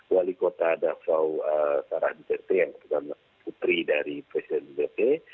wali kota davao sarah d dete yang adalah putri dari presiden d dete